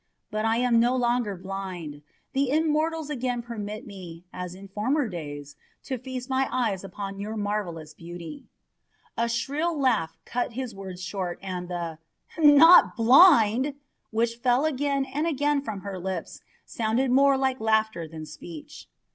"But I am no longer blind. The immortals again permit me, as in former days, to feast my eyes upon your marvellous beauty." A shrill laugh cut short his words, and the "Not blind!" which fell again and again from her lips sounded more like laughter than speech.